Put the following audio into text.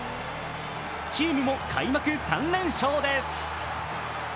チームも開幕３連勝です。